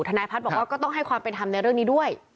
นายพัฒน์บอกว่าก็ต้องให้ความเป็นธรรมในเรื่องนี้ด้วย